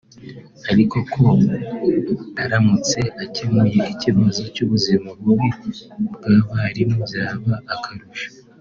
ariko ko aramutse akemuye ikibazo cy’ubuzima bubi bw’abarimu byaba akarusho